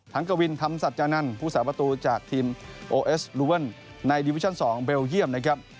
กวินธรรมสัจจานันทร์ผู้สาประตูจากทีมโอเอสลูเวิลในดิวิชั่น๒เบลเยี่ยมนะครับ